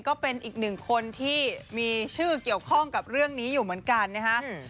ก็เป็นอีกหนึ่งคนที่มีชื่อเกี่ยวข้องกับเรื่องนี้อยู่เหมือนกันนะฮะ